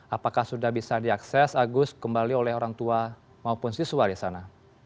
apakah sudah bisa diakses agus kembali oleh orang tua maupun siswa di sana